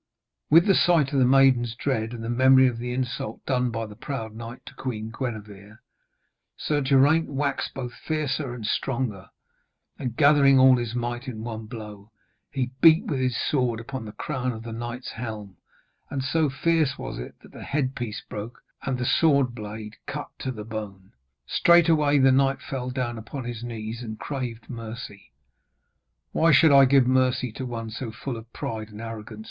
With the sight of the maiden's dread and the memory of the insult done by the proud knight to Queen Gwenevere, Sir Geraint waxed both fiercer and stronger; and gathering all his might in one blow, he beat with his sword upon the crown of the knight's helm, and so fierce was it that the headpiece broke and the sword blade cut to the bone. Straightway the knight fell down upon his knees and craved mercy. 'Why should I give mercy to one so full of pride and arrogance?'